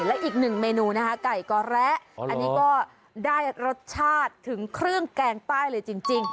แล้วอีกหนึ่งเมนูนะฮะไก่กอแร้อ๋อเหรออันนี้ก็ได้รสชาติถึงครึ่งแกงป้ายเลยจริงจริง